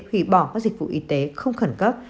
hủy bỏ các dịch vụ y tế không khẩn cấp